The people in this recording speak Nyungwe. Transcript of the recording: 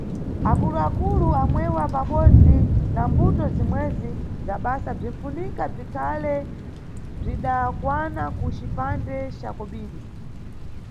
Akulu-akulu amwewa pabodzi na mbuto zimwezi za basa bzinʼfunika bzikhale bzdakwana ku cipande ca kobiri.